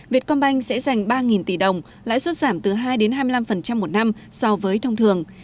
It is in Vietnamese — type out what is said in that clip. vietcombank sẽ dành ba tỷ đồng lãi suất giảm từ hai hai mươi năm một năm so với thông thường